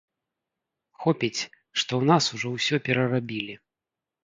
Хопіць, што ў нас ужо ўсё перарабілі.